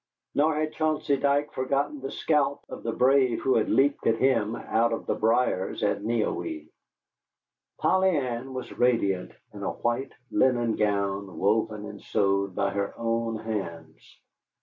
Nor had Chauncey Dike forgotten the scalp of the brave who leaped at him out of the briers at Neowee. Polly Ann was radiant in a white linen gown, woven and sewed by her own hands.